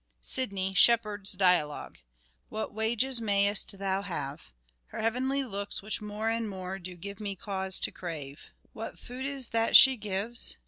Sidney (Shepherd's Dialogue) : What wages mayest thou have ? Her heavenly looks which more and more Do give me cause to crave. What food is that she gives